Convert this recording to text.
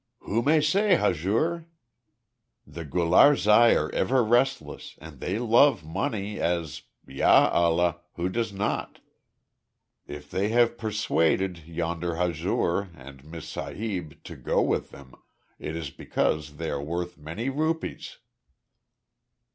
"Who may say, Hazur? The Gularzai are ever restless, and they love money as Ya Allah, who does not! If they have persuaded, yonder Hazur, and the Miss Sahib, to go with them, it is because they are worth many rupees."